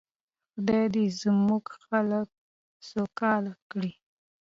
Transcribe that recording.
خدای دې زموږ خلک سوکاله کړي.